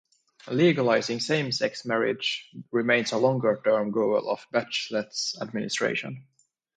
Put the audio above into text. Legalising same-sex marriage remains a longer-term goal of Bachelet's administration.